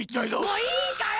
もういいから！